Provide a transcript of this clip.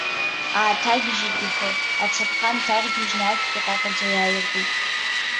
Ааҭагьежьит ихы, ацаԥха нҭаргьежьны ашәгьы ҟьаҟьаӡа иааиртит.